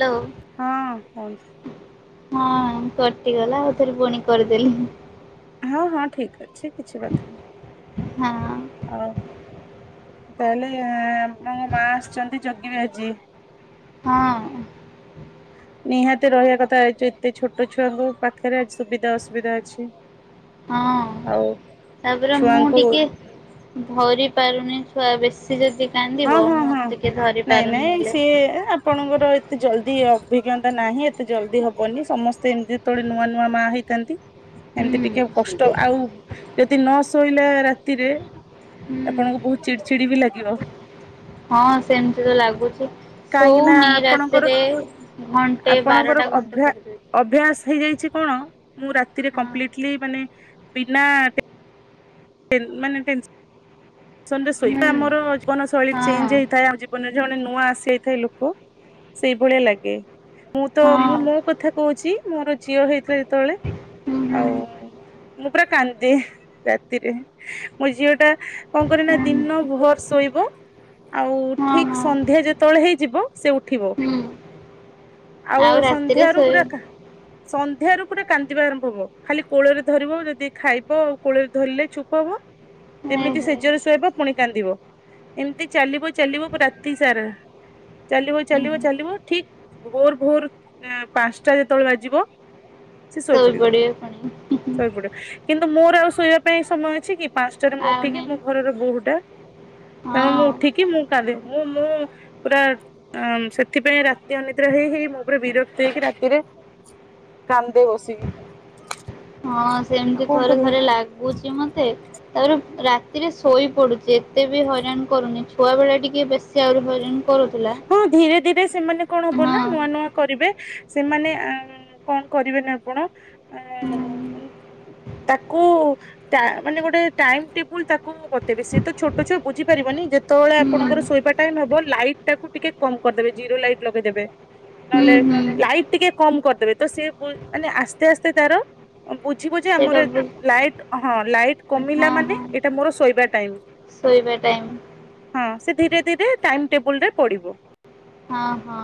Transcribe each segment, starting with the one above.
Hello ହଁ କୁହନ୍ତୁ। ହଁ କଟିଗଲା ଆଉ ଥରେ ପୁଣି କରିଦେଲି। ହଁ ହଁ ଠିକ ଅଛି କିଛି କଥା ନାହିଁ ହଉ। ତାହେଲେ ଆପଣଙ୍କ ମା ଆସିଛନ୍ତି ଯଜ୍ଞରେ ଆଜି। ହଁ। ନିହାତି ରହିବା କଥା ଏତେ ଛୋଟ ଛୁଆଙ୍କ ପାଖରେ ଆଜି ସୁବିଧା ଅସୁବିଧା ଅଛି। ହଁ ଆଉ ତାପରେ ମୁଁ ଛୁଆଙ୍କୁ ଟିକେ ଧରି ପାରୁନି। ଛୁଆ ବେଶୀ ଯଦି କାନ୍ଦିବ ହଁ ହଁ ମୁଁ ହଁ ଟିକେ ଧରି ନାଇଁ ପାରୁନି ନାଇଁ ହେଲେ ସିଏ ଆପଣଙ୍କର ଏତେ ଜଲଦି ଯି ଅଭିଜ୍ଞତା ନାହିଁ ଏତେ ଜଲଦି ହବନି ସମସ୍ତେ ଏମିତି ଯେତେବେଳେ ନୂଆ ନୂଆ ମା ହେଇଥାନ୍ତି ଏମତି ହୁଁ ଟିକେ କଷ୍ଟ ଆଉ ଯଦି ନ ଶୋଇଲା ରାତିରେ ହୁଁ ଆପଣଙ୍କୁ ବହୁତ ଚିଡି ଚିଡି ବି ଲାଗ କ୍ଷୀର ହଁ ସେମିତି ତ ଲାଗୁଛି କାହିଁକି ନା ଶୋଉନି ଆପଣଙ୍କର ରାତିରେ ଘଣ୍ଟେ ଆପଣଙ୍କର ବାରଟା ଘଣ୍ଟେ ଅଭ୍ୟା କରିଦଉଛି। ଅଭ୍ୟାସ ହେଇଯାଇଛି କଣ ମୁଁ ରାତିରେ ହଁ କପ୍ଲିଟ୍ ଲି ମାନେ ବିନା ମାନେ ଟେନ ସନଡେ ହୁଁ ଶୋଇବି ଆମର ଜୀବନ ଶୈଳୀ ଚେଞ୍ଜ ହଁ ହେଇଥାଏ। ଜୀବନରେ ଜଣେ ନୂଆ ଆସିଯାଇଥାଏ ଲୋକ ସେଇଭଳିଆ ଲାଗେ ମୁଁ ତ ମୁଁ ହଁ ମୋ କଥା କହୁଛି ମୋର ଝିଅ ହେଇଥିଲା ଯେତେବେଳେ ହୁଁ ହୁଁ ଆଉ ମୁଁ ପୁରା କାନ୍ଦେ ରାତିରେ ମୋ ଝିଅ ଟା କଣ କରେନା ହୁଁ। ଦିନ ଭୋର ଶୋଇବ ଆଉ ହଁ ହଁ ଠିକ ସନ୍ଧ୍ୟା ଯେତେବେଳେ ହେଇଯିବ ସେ ଉଠିବ। ହୁଁ ଆଉ ସନ୍ଧ୍ୟା ରୁୁ ପୁରା କା ସନ୍ଧ୍ୟାରୁ ପୁରା କାନ୍ଦିବା ଆରମ୍ଭ ହବ ଖାଲି କୋଳରେ ଧରିବ ଯଦି ଖାଇବ ଆଉ କୋଳରେ ଧରିଲେ ଚୁପ୍ ହବ ଯେମିତି ଶୋଇ ସେଜରେ ଶୁୋଇବ ପୁଣି କାନ୍ଦିବ ଏମିତି ଚାଲିବ ଚାଲିବ ରାତି ସାରା ଚାଲିବ ଚାଲିବ ହୁଁ ଚାଲିବ ଠିକ ଭୋର ଭୋର ପାଞ୍ଚଟା ଯେତେବେଳେ ବାଜିବ ଶୋଇପଡିବ ପୁଣି [inaudible] ଶୋଇପଡିବ କିନ୍ତୁ ମୋର ଆଉ ଶୋଇବା ପାଇଁ ସମୟ ଅଛି କି ପାଞ୍ଚଟାରେ ମୁଁ ଆଉ ଉଠିକି ନାଇଁ ମୋ ଘରର ବୋହୁଟା ତେଣୁ ମୁଁ ହଁ ଉଠିକି ମୁଁ କାନ୍ଦେ ମୁଁ ମୁଁ ପୁରା ସେଥିପାଇଁ ରାତି ଅନି ଦ୍ରା ହେଇ ହେଇ ମୁଁ ପୁରା ବିରକ୍ତି ହେଇକି ରାତିରେ କାନ୍ଦେ ବସିକି। [inaudible] ହଁ ଆଉ ସେମିତି କଣ ଥରେ କରିବି ଥରେ ଲାଗୁଛି ମତେ ତାପରେ ରାତିରେ ଶୋଇପଡ଼ୁଛି ଏତେ ବି ହଇରାଣ କରୁନି ଛୁଆବେଳେ ଟିକେ ବେଶୀ ଆହୁରି ହଇରାଣ କରୁଥିଲା ହଁ ଧୀରେ ଧୀରେ ସେ ସେମାନେ କଣ ହବ ନା ହଁ ନୂଆ ନୂଆ କରିବେ ସେମାନେ କଣ କରିବେନା ଆପଣ ହୁଁ ତାକୁ ମାନେ ଗୋଟେ ଟାଇମ ଟେବୁଲ ତାକୁ ବତେଇବେ ସି ତ ଛୋଟ ଛୁଆ ବୁଝି ପାରିବନି ଯେତେବେଳେ ହୁଁ ଆପଣଙ୍କର ଶୋଇବା ଟାଇ ହବ ଲାଇଟ ଟାକୁ ଟିକେ କମ କରିଦେବେ ଜିରୋ ଲାଇଟ ଲଗେଇଦେବେ ନହେଲେ ହୁଁ ହୁଁ ଲାଇଟ ଟିକେ କମ କରିଦେବେ ତ ସେ ମାନେ ଆସ୍ତେ ଆସ୍ତେ ତାର ବୁଝିବ ଯେ ସେଇଟା ଆମର ବି ଲାଇଟ୍ ହଁ ଲାଇଟ କମିଲା ହଁ ମାନେ ହଁ ଏଇଟା ମୋର ଶୋଇବା ଟାଇମ ଶୋଇବା ଟାଇମ ହଁ ସେ ଧୀରେ ଧୀରେ ଟାଇମ ଟେବୁଲ ରେ ପଡ଼ିବ। ହଁ ହଁ।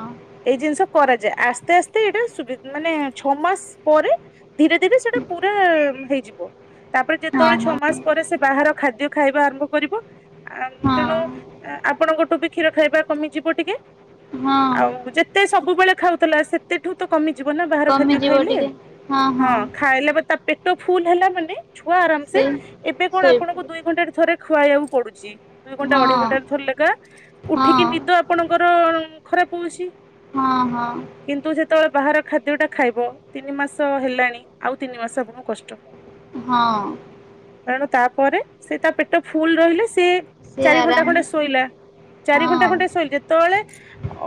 ଜିନିଷ କରାଯାଏ ଆସ୍ତେ ଆସ୍ତେ ଏଇଟା ମାନେ ଛଅ ମାସ ପରେ ଧୀରେ ଧୀରେ ସେଟା ପୁରା ହେଇଯିବ। ତାପରେ ଯେତେବେଳେ ହଁ ଛଅ ମାସ ହଁ ପରେ ସେ ବାହାର ଖାଦ୍ୟ ଖାଇବା ଆରମ୍ଭ କରିବ ଆଙ୍ଗ ତେଣୁ ଆପଣଙ୍କଠୁ ବି କ୍ଷୀର ଖାଇବା କମିଯିବ ଟିକେ ହଁ ହଁ ଆଉ ଯେତେ ସବୁବେଳେ ଖାଉଥିଲା ସେତେ ଠୁ ତ କମି ଜୀବନା ବାହାର ଖାଦ୍ୟ ଖାଇଲେ ହଁ ଖାଇଲେ ବା ତା ପେ ତୋ ଫୁଲ ହେଲା ମାନେ ଛୁଆ ଆରାମ ସେ ଏବେ କଣ ଆପଣଙ୍କୁ ଶୋଇପଡିବ ଦୁଇ ଘଣ୍ଟା ରେ ଥରେ ଖୁଆଇବାକୁ ପଡୁଛି ଦୁଇ ଘଣ୍ଟ ଅଢେଇ ଘଣ୍ଟାରେ ହଁ ଥରେ ଲେଖା ଉଠ୍ ଠିକ ହଁ ନିଦ ଆପଣଙ୍କର ଅ ଖରାପ ହଉଛି ହଁ ହଁ କିନ୍ତୁ ଯେତେବେଳେ ବାହାର ଖାଦ୍ୟଟା ଖାଇବ ତିନି ମାସ ହେଲାଣି ଆଉ ତିନି ମାସ ଆପଣଙ୍କୁ କଷ୍ଟ ହଁ। ତେଣୁ ତାପରେ ସେ ତା ପେଟ ଫୁଲ ରହିଲେ ସେ ସେ ଚାରି ଘଣ୍ଟା ଆରାମ ଖଣ୍ଡେ ଶୋଇଲା ଚାରି ଘଣ୍ଟା ହଁ ଖଣ୍ଟେ ଶୋଇଲେ ଯେତେବେଳେ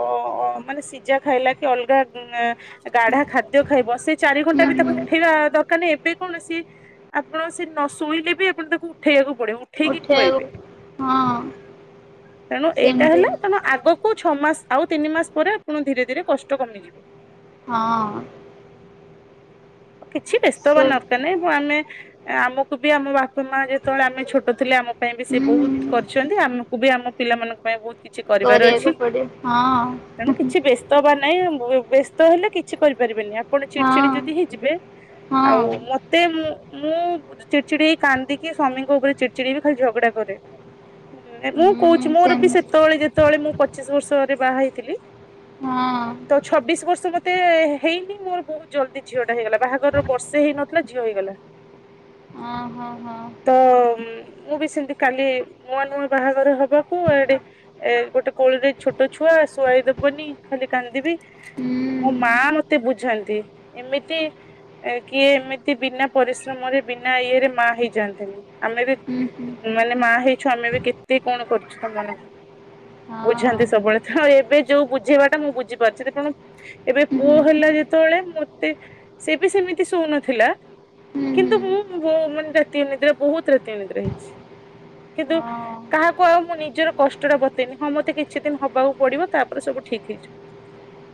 ଅ ଅ ମାନେ ସିଝା ଖାଇଲା କି ଅଲଗା ଗାଢା ଖାଦ୍ୟ ଖାଇବ ସେ ଚାରି ଘଣ୍ଟା ହୁଁ ବି ତାକୁ ହୁଁ ଉଠେଇବା ଦରକାର ନାହିଁ ଏବେ କୌଣସି ସେ ଆପଣ ସେ ନ ଶୋଇଲେ ବି ଆପଣ ତାକୁ ଉଠେଇବାକୁ ପଡିବ। ଠିକ ଖୁଆଇବେ। ଉଠେଇବାକୁ ହଁ ଏଇଟା ସେମିତି ହେଲା ତମ ଆଗ ଆଙ୍କୁ ଛଅ ମାସ ଆଉ ତିନି ମାସ ପରେ ଆପଣଙ୍କୁ ଧୀରେ ଧୀରେ କଷ୍ଟ କମିଯିବ। ହଁ। କିଛି ବ୍ୟସ୍ତ ସେ ହବାର ଦରକାର ନାହିଁ ବୋ ଆମେ ଆମକୁ ବି ଆମ ବାପା ମା ଯେତେବେଳେ ଆମେ ଛୋଟ ଥିଲେ ଆମ ପାଇଁ ବି ସେ ହୁଁ ବହୁତ କରିଛନ୍ତି ଆମକୁ ବି ଆମ ପିଲାମାନଙ୍କ ପାଇଁ ବହୁତ କିଛି କରିବାର ଅଛି କରିବାକୁ ପଡେ ହଁ ତେଣୁ କିଛି ବ୍ୟସ୍ତ ହବାର ନାହିଁ। ମୁଁ ଓଏ ବ୍ୟସ୍ତ ହେଲେ କିଛି କରିପାରିବେନି ଆପ ପୁଣି ଚିଡଚିଡି ହଁ ଯଦି ହେଇ ମତେ ଆଉ ହଁ ମତେ ମୁ ମୁଁ ଚିଡ଼ଚିଡି ହେଇ କାନ୍ଦିକି ସ୍ଵାମୀଙ୍କ ଉପରେ ଚିଡ଼ଚିଡି ହେଇ ଖାଲି ଝଗଡା କରେ, ମୁଁ ହୁଁ କହୁଛି ମୋର ବି ସେମିତି ସେତେବେଳେ ଯେ ଯେତବେଳେ ମୁଁ ପଚିଶ ବର୍ଷରେ ବାହା ହେଇଥିଲି ହଁ ତ ଛବିଶ ବର୍ଷ ମତେ ହେଇନି ମୋର ବହୁତ ଜଲଦି ଝିଅ ଟା ହେଇଗଲା ବାହାଘରର ବର୍ଷେ ହେଇନଥିଲା ଝିଅ ହେଇଗଲା, ହଁ ହଁ ହଁ ତ ମୁଁ ବି ସେମତି କାଲି ନୂଆ ନୂଆ ବାହାଘର ହବାକୁ ଆଡେ ଏ ଗୋଟେ କୋଳରେ ଛୋଟ ଛୁଆ ଶୁଆଇଦବନି ଖାଲି କାନ୍ଦିବି ହୁଁ ମୋ ମା ମତେ ବୁଝାନ୍ତି। ଏମିତି କିଏ ଏମିତି ବିନା ପରିଶ୍ରମରେ ବିନା ଇଏରେ ମା ହେଇଯାଆନ୍ତିନି। ଆମେ ବି ହୁଁ ହୁଁ ମାନେ ମା ହେଇଛୁ ଆମେ ବି କେତେ କଣ କରିଛୁ ତମ ମାନଙ୍କ, ହଁ ବୁଝାନ୍ତି ସବୁବେଳେ ତ ଏବେ ଯୋଉ ବୁଝେଇବାଟା ମୁଁ ବୁଝିପାରୁଛି ତେଣୁ ଏବେ ହୁଁ ପୁଅ ହୁଁ ହେଲା ଯେତେବେଳେ ମୁଁ ସେ ସେବି ସେମିତି ଶୋଉନଥିଲ ହୁଁ କିନ୍ତୁ ହୁଁ ମୁଁ ମୁଁ ମାନେ ରାତି ଅନିଦ୍ରା ବହୁତ ରାତି ଅନିଦ୍ରା ହେଇଛି। କିନ୍ତୁ ହଁ କାହାକୁ ଆଉ ମୁଁ ନିଜର କଷ୍ଟ ଟା ବତେଇନି ହଁ ମତେ କିଛି ଦିନ ହବାକୁ ପଡିବ ତାପରେ ସବୁ ଠିକ ହେଇଯିବ।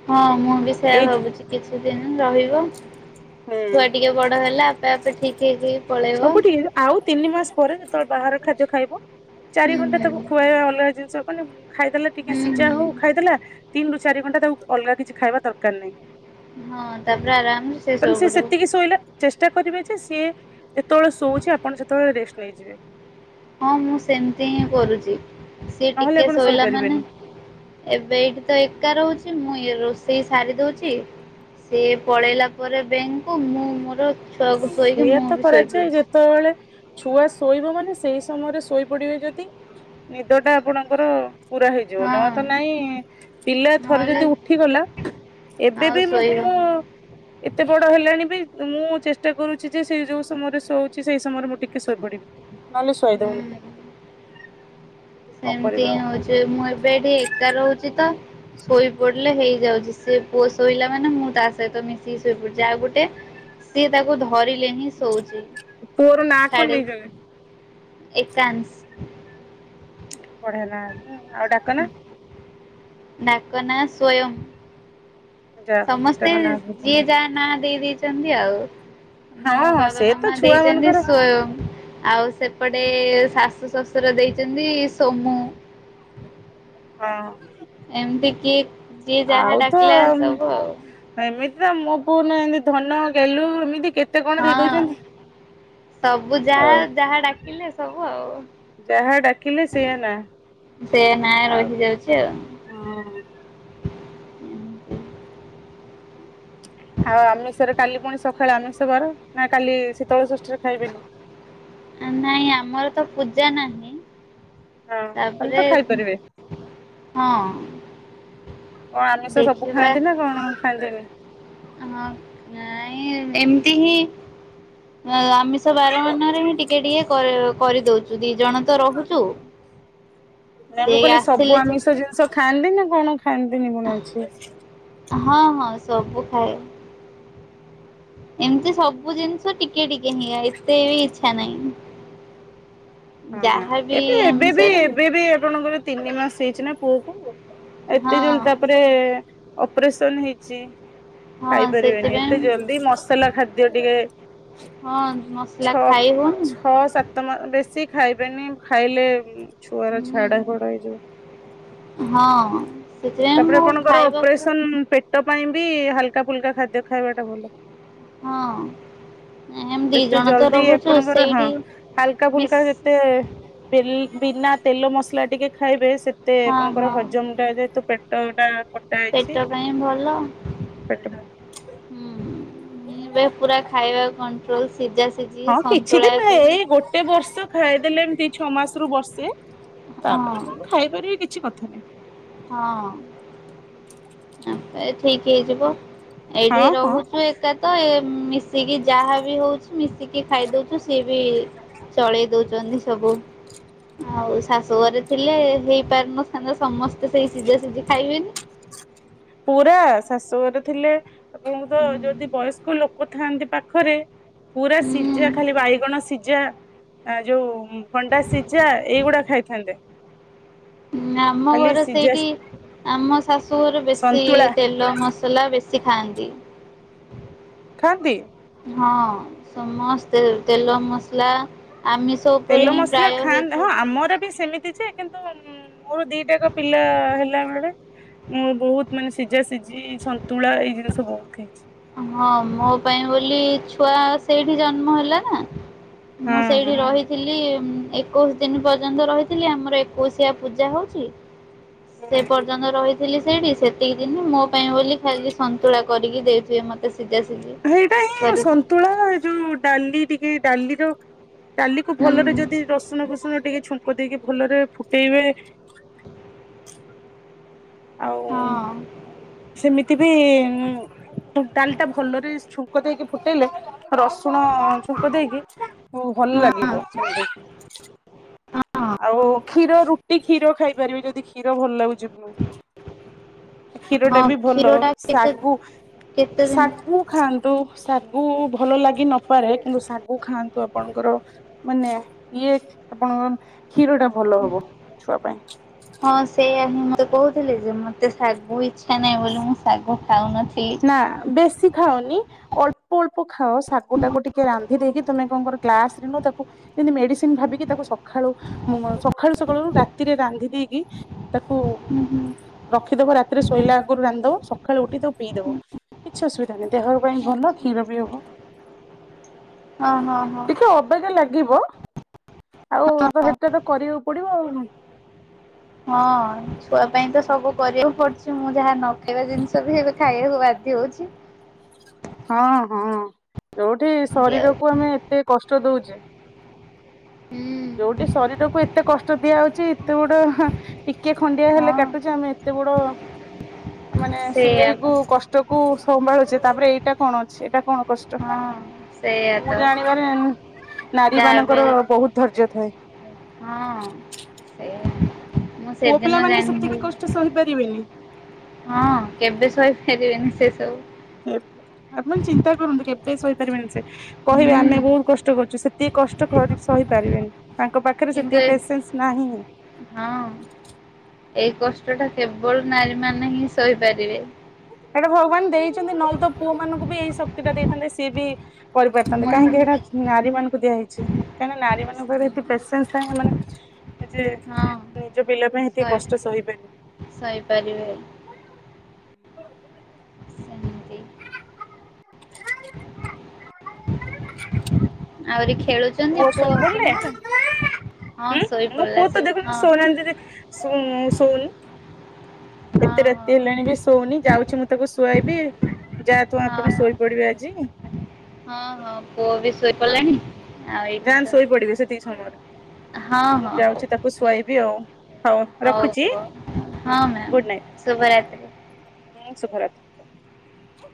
ହଁ ମୁଁ ବି ସେୟା ଏଇ ଭାବୁଛି କିଛି ଦିନ ରହିବି। ହୁଁ ହୁଁ ଛୁଆ ଟିକେ ବଡ ହେଲା ଆପେ ଆପେ ଠିକ ହେଇକି ପଳେଇବ। ସବୁ ଠିକ୍ ହେଇଯିବ ଆଉ ତିନି ମାସ ପରେ ଯେତେବେଳେ ବାହାର ଖାଦ୍ୟ ଖାଇବ ଚାରି ହୁଁ ଘଣ୍ଟା ହୁଁ ତାକୁ ଖୁଆଇବା ଅଲଗା ଜିନିଷ ମାନେ ଖାଇଦେଲା ଟିକେ ହୁଁ ସିଝା ହୁଁ। ହଉ ଖାଇଦେଲା ତିନି ରୁ ଚାରି ଘଣ୍ଟା ତାକୁ ଅଲଗା କିଛି ଖାଇବା ଦରକାର ନାହିଁ। ହଁ ତାପରେ ଆରାମରେ ତେଣୁ ସେ ଶୋଇପଡିବ ସେତିକି ଶୋଇଲା ଚେଷ୍ଟା କରିବେ ଯେ ଏ ସିଏ ଯେତେବେଳେ ଶୋଉଛି ଆପଣ ସେତେବେଳେ ରେଷ୍ଟ ନେଇଯିବେ। ହଁ ମୁଁ ସେମିତି ହିଁ କରୁଛି। ସିଏ ନହେଲେ ଟିକେ ଆପଣ ଶୋଇଲା ମାନେ ଶୋଇପାରିବେନି ଏବେ ଏଇଠି ତ ଏକା ରହୁଛି ମୁଇଁ ସିଏ ରୋଷେଇ ସାରି ଦଉଛି ସେ ପଳେଇଲା ପରେ ବ୍ୟାଙ୍କକୁ ମୁଁ ମୋର ଛୁଆକୁ ଶୋଇକି ସେଇଆା ମୁଁ ତ ବି କରାଯାଏ ଶୋଇପଡୁଛି। ଯେତବେଳେ ଛୁଆ ଶୋଇବ ମାନେ ସେଇ ସମୟରେ ଶୋଇ ପଡିବେ ଯଦି ନିଦ ଟା ଆପଣଙ୍କର ପୁରା ହେଇଯିବ ନ ହଁ ତ ନାଇଁ ପିଲା ଥରେ ନହେଲେ ଯଦି ଉଠିଗଲା ଏବେ ଆଉ ବି ମୁଁ ଶୋଇ ପୁଅ ହଉନି ଏତେ ବଡ ହେଲାଣି ବି ମୁଁ ଚେଷ୍ଟା ଚେଷ୍ଟ କରୁଛି ଯେ ସେ ଯୋଉ ସମୟରେ ଶଉଛି ସେଇ ସମୟରେ ମୁଁ ଟିକେ ଶୋଇ ପଡିବି ।ନହେଲେ ଶୋଇ ଦଉନି। ଏମିତି ହିଁ ହୋଉଛି ମୁଁ ଏବେ ସେ ପୁଅ ଭରିଲେ ପୁଅର ନାଁ କଣ ଦେଇଛନ୍ତି? ଏକାଂଶ୍। ବଢିଆ ନାଁ ଟା ଆଉ ଡାକ ନାଁ? ଡାକ ନାଁ ସ୍ଵୟଂ। ଯାହା ହଉ ସମସ୍ତେ ଦିଟାକ ନାଁ ବହୁତ। ଯିଏ ଯା ନାଁ ଦେଇ ଦେଇ ସେମିତି ଆଉ। ମୋ ହଁ ହଁ ବାବା ସେ ତ ମାମା ଛୁଆ ଦେଇଛନ୍ତି ମାନଙ୍କର ସ୍ଵୟଂ। ଆଉ ସେପଟେ ଶାଶୁ ଶଶୁର ଦେଇଛନ୍ତି ସୋମୁ। ହଁ। ଏମିତି କି ଯିଏ ଆଉ ଯାହା ତ ଡାକିଲା ସବୁ ଆଉ। ଏମିତି ମୋ ପୁଅ ନା ଧନ ଗେଲୁ ଏମିତି କେ ହଁ ସବୁ ଯାହା ଆଉ ଯାହା ଡାକିଲେ ସବୁ ଆଉ। ଯାହା ଡାକିଲେ ସେଇଆ ନା ସେ ନାଁ ଆଉ ରହିଯାଉଛି ଆଉ। ହଁ। ଆଉ ଆମିଷରେ କାଲି ପୁଣି ସଖାଳେ ଆମିଷ ବାର ନା କାଲି ଶୀତଳ ଷଷ୍ଠିରେ ଖାଇବେନି। ନାଇଁ ଆମର ତ ପୂଜା ନାହିଁ। ହଁ କାଲି ତାପରେ ତ ଖାଇପାରିବେ ହଁ କଣ ଆମିଷ ସବୁ ଦେଖିବା ଖାଆନ୍ତି ନା କଣ ଖାଆନ୍ତିନି? ହଁ ନାଁ। ଇଁ ଏମିତି ହିଁ ଆମିଷ ବାର ମାନରେ ହିଁ ଟିକେ ଟିକେ କରି-କରିଦଉଚୁ ଦି ଜଣ ତ ରହୁଛୁ ନା ସେ ଆସିଲେ ଯେ ହଣ ଖାନ୍ତିନି ଗୁଣ ଅଛି। ହଁ ହଁ ସବୁ ଖାଏ। ଏମିତି ସବୁ ଜିନ୍ ଟିକେ ଟିକେ ହିଁ ଏତେ ବି ଇଚ୍ଛା ନାହିଁ। ହଁ ଯାହାବି ଏବେ ଏବେ ବି ଆମିଷରେ ଏବେ ବି ଆପଣଙ୍କର ତିନି ମାସ ହେଇଛି ନା। ହେଇଥାନ୍ତେ। ଏତେ ଜଲଦି ହଁ। ତାପରେ ଅପରେସନ ହେଇଛି। ହଁ ଖାଇ ପାରିବେନି ସେଥିପାଇଁ ଏତେ ଜଲଦି ମସଲା ଖାଦ୍ୟ ଟିକେ ହଁ ମସଲା ଛଅ ଖାଇ ହୋଉନି ଛଅ ସାତ ମା ବେଶୀ ଖାଇବେନି ଖାଇଲେ ଛୁଆର ହୁଁ ଝାଡା ଘଡ ହେଇଯାଉ ହଁ ସେଥିପାଇଁ ତାପରେ ମୁଁ ଆପଣଙ୍କର ଖାଇବା ପୁରା ଅପରେସନ ପେଟ ପାଇଁ ବି ହାଲକା ଫୁଲକା ଖାଦ୍ୟ ଖାଇବା ଟା ଭଲ। ହଁ ଏମ ଦି ଏତେ ଜଣ ତ ଜଲଦି ରହୁଛୁ ଆପଣଙ୍କର ହଁ ସେଇଠି ହାଲକା ମି ଫୁଲକା ଯେତେ ବିନା ତେଲ ମସଲା ଟିକେ ଖାଇବେ। ସେତେ ହଁ ଆପଣଙ୍କର ହଁ ହଜମ ଟା ଯେହେତୁ ଚଉଟା ପେଟ ପାଇଁ ଭଲ ପେଟ ହୁଁ। ଏବେ ପୁରା ଖାଇବା କଣ୍ଟ୍ରୋଲ ସିଝା ସିଝି ହଁ କିଛି ସନ୍ତୁଳା ଦିନ ଏଇ କରିବ। ଗୋଟେ ବର୍ଷ ଖାଇଦେଲେ ଏମିତି ଛଅ ମାସ ରୁ ବର୍ଷେ। ତାପରେ ମୁଁଁ ଖାଇପାରିବି କିଛି କ [inaudible] ହଁ। ଏ ଠିକ ହେଇଯିବ। ଏଇଠି ହଁ ହଁ। ରହୁଛୁ ଏକା ତ ଏ ମିସ୍ ମିିକି ଯାହା ବି ହଉଛି ମିଶିକି ଖାଇଦଉଛୁ ସିଏ ବି ଚଳେଇ ଦଉଛନ୍ତି ସବୁ ଆଉ ଶାସ ଘରେ ଥିଲେ ହେଇପାରୁନଥାନ୍ତ ସମସ୍ତେ ତ ସେଇ ସିଝା ସିଝି ଖାଇବେନି। ପୁରା ଶାଶୁଘରେ ଥିଲେ ଏବଂପଣ ତ ଯଦି ବୟସ୍କ ଲୋକ ଥାନ୍ତନ୍ତି ପାଖରେ ପୁରା ସିଝା ଖାଲି ହୁଁ ବାଇଗଣ ସିଝା ଯୋଉ ଭଣ୍ଡା ସିଝା ଏଇଗୁଡା ଖାଇଥାନ୍ତେ। ଆମ ଖାଲି ଘର ସିଝା ସେଇଠି ଆମ ଶାଶୁ ବେଶୀ ସନ୍ତୁଳା ତେଲ ମସଲା ବେଶୀ ସେ ଖାନ୍ତି। ଖାନ୍ତି ହଁ ସମସ୍ତେ ତେଲ ମସଲା ଆମିଷ ତେଲ ଉପରେ ହିଁ ମସଲା ପ୍ରାୟ ଖାଆନ୍ତି ହେଇଥାଏ ହଁ ସ ଆମର ବି ସେମିତି କିନ୍ତୁ ମୋର ଦିଟାକ ପିଲା ହେଲା ବେଳେ ମୁଁ ବହୁତ ମାନେ ସିଝା ସିଝି ସନ୍ତୁଳା ଏଇ ଜିନିଷ ବହୁତ ଖାଇଛି ହଁ ମୋ ପାଇଁ ବୋଲି ଛୁଆ ସେଇଠି ଜନ୍ମ ହେଲା ନା ହଁ ମୁଁ ସେଇଠି ହଁ। ରହିଥିଲି ଏକୋଇଶି ଦିନ ପର୍ଯ୍ୟନ୍ତ ରହିଥିଲି ଆମର ଏକୋଇଶିଆ ପୂଜା ହଉଛି ସେ ହୁଁ ହୁଁ। ପର୍ଯ୍ୟନ୍ତ ରହିଥିଲି ସେଇଠି ସେତିକି ଦିନିଁ ପାଇଁ ବୋଲି ଖାଲି ସନ୍ତୁଳା କରିକି ଦେଇ ସେ ମତେ ସେଇଟା ହିଁ ସନ୍ତୁଳା ଯୋଉ ଡାଲି କି ଡାଲି ଦ ଡାଲି କୁ ହୁଁ ଭଲରେ ଯଦି ରସୁଣ ଫୁଷଣ ଟିକେ ଛୁଙ୍କ ଦେଇକି ଭଲରେ ଫୁଟେଇବେ ଆଉ ହଁ ସେମିତି ଏ ବି ଡାଲି ଟା ଭଲରେ ଛୁଙ୍କ ଦେଇକି ଫୁଟେଇଲେ ରସ ରସୁଣ ଛୁଙ୍କ ଦେଇକି ଭଲ ହଁ ଲାଗିବ। ହଁ ଆଉ କ୍ଷୀର ରୁଟି କ୍ଷୀର ଖାଇପାରିବି ଯଦି କ୍ଷୀର ଭଲ ଲାଗୁଚି। କ୍ଷୀର ଟା ହଁ ବି ଭଲ କ୍ଷୀରଟା କେତେ ଶାଗୁ କେତେ ଦିନ ଶାଗୁ ଖାଆନ୍ତୁ, ଶାଗ ସଗୁ ଭଲ ଲାଗି ନପାରେ କିନ୍ତୁ ଶାଗୁ ଖାଆନ୍ତୁ ଆପଣଙ୍କର ମାନେ ଇଏ ଆପଣଙ୍କ କ୍ଷୀର ଟା ଭଲ ହବ। ଛୁଆ ପାଇଁ ହଁ ସେଇୟଆ ହିଁ ମତେ କହୁଥିଲେି ଯେ ମତେ ଶାଗୁ ଇଛା ଇଚ୍ଛା ନାଇଁ ବୋଲି ମୁଁ ସାଗୁ ଖାଉନି। ନା ବେଶୀ ଖାାଉନି ଅଳ୍ପ ଅଳ୍ପ ଖାଅ ଶାଗୁ ଟାକୁ ଟିକେ ରା ରାନ୍ଧି ଦେଇକି ତମେ କଣଙ୍କର ଗାସ ନ ତାକୁ ଯେମିତି ମେଡିସିନ ଭାବିକି ତାକୁ ସକାଳୁ ସକାଳୁ ସକାଳୁ ରାତିରେ ରାନ୍ଧି ଦେଇକି ତାକୁ ହୁଁ ହୁଁ ରଖିଦବ ରାତିରେ ଶୋଇଲା ଆଗରୁ ରାନ୍ଧ ସକାଳୁ ଉଠି ତାକୁ ପିଇଦବ କିଛି ଅସୁବିଧା ନାହିଁ ଦେହ ପାଇଁ ଭଲ କ୍ଷୀର ବି ହବ ହଁ ହଁ ହଁ। ଟିକେ ଅବାଗିଆ ଲାଗିବ। ଆଉ ତ ସେଟା ତ କରିବାକୁ ପଡିବ ଆଉ। [unintelligible] ହଁ। ଚୁଆ ପାଇଁ ତ ସବୁ କରିବାକୁ ପଡୁ ମୁଁ ଯାହା ନ ଖାଇବା ଜିନିଷ ବି ଏବେ ଖାଇବାକୁ ବାଧ୍ୟ ହଉଚି। ହଁ ହଁ। ଯୋଉଠି ଏମିତି ଆଉ। ଶରୀରକୁ ଆମେ ଏତେ କଷ୍ଟ ଦଉଛି। ହୁଁ। ଯୋଉଠି ଶରୀରକୁ ଏତେ କଷ୍ଟ ଦିଆ ହଉଛି ଏତେ ଗୋଟେ ଟିକେ ଖଣ୍ଡିଆ ହେଲେ ହଁ କାଟୁଛେ ଆମେ ଏତେ ବଡ ମାନେ ସେଇଆ ସିଲେଇ କୁ ବା କଷ୍ଟକୁ ସମ୍ଭାଳୁଛେ। ତାପରେ ଏଇଟା କଣ ଅଛି ଏଇଟା କଣ? କଷ୍ଟ ହଁ ସେଇଆ ମୁଁ ତ ଜାଣିବାରେ ନାରୀ ଯାହା ବି ମାନଙ୍କର ହେଲେ ବହୁତ ଧୈର୍ଯ୍ୟ ଥାଏ ହଁ ସେ ମୁଁ ପୁଅ ପିଲା ସେଦିନ ମାନେ ସେତିକି କଷ୍ଟ ଜାଣଥିଲି ସହିପାରିବେନି ହଁ କେବେ ଶୋଇ [inaudible] ସେ ସବୁ। ଆପଣ ଚିନ୍ତା କରନ୍ତୁ କେବେ ସେ ସାହିପାରିବେନି ସେ କହିବେ ହୁଁ ଆମେ ବହୁତ କଷ୍ଟ କରୁଛୁ ସେତିକି କଷ୍ଟ କରି ସହିପାରିବେନି। ତାଙ୍କ ପାଖରେ କିନ୍ତୁ ସେତିକି ଏ ପେସେନ୍ସ ନାହିଁ। ହଁ ଏଇ କଷ୍ଟ ଟା କେବଳ ନାରୀ ମାନ ହିଁ ସହିପାରିବେ। ସେଇଟା ଭଗବାନ ଦେଇ ନଉ ତ ପୁଅ ମାନଙ୍କୁ ଏଇ ସବୁ ଟା ଦେଇଥାନ୍ତେ ସିଏ ବି କରିପାରିଥାନ୍ତେ ହୁଁ କାହିଁକି ଏଇଟା ନାରୀ ମାନଙ୍କୁ ଦିଆ ହେଇଛି। କାହିଁକି ନା ନାରୀ ମାନଙ୍କ ପାଖରେ ଏତେ ପେସେସ ଥାଏ ମାନେ ଯେ ହଁ ନିଜ ପିଲା ପାଇଁ ଏତେ କଷ୍ଟ ସହି ଵେନି। [inaudible] ସହିପାରିବେ ସେମିତି। [unintelligible] [inaudible] [inaudible] ପୁଅ ଶୋଇ ପଡିଲେ ହଁ ହୁଁ ମୁଁ ଶୋଇପଡ଼ିଲା ପୁଅ ତ ସେ ଦେଖୁନ ହଁ ଶୋଉନାହାନ୍ତି ଶୋଉନି। ହଁ ଏତେ ରାତି ହେଲାଣି ହଁ। ବି ସୋଉନି। ଯାଉଛି ମୁଁ ତାକୁ ଶୁଆଇବି। ଯାହା ତୁ ହଁ ଆପଣ ହଁ ଶୋଇପଡିବେ ଆଜି ହଁ ହଁ ପୁଅ ବି ଶୋଇପଡିଲାଣି। ଯାନ୍ ଶୋଇପଡିବେ ସେତିକି ସମୟରେ ହଁ ମୁଁ ହଁ ହଉ। ଯାଉଛି ତାକୁ ଶୁଆଇବି ଆଉ ହଉ ରଖୁଛି ହଁ ମ୍ୟାମ୍ ଗୁଡ଼ ଶୁଭରାତ୍ରି। ନାଇଟ। ଶୁଭରାତ୍ରି।